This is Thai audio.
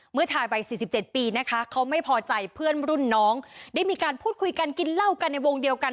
ชายวัย๔๗ปีนะคะเขาไม่พอใจเพื่อนรุ่นน้องได้มีการพูดคุยกันกินเหล้ากันในวงเดียวกัน